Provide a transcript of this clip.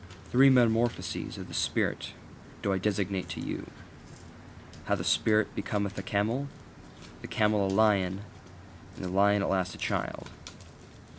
Three metamorphoses of the spirit do I designate to you: how the spirit becometh a camel, the camel a lion, and the lion at last a child.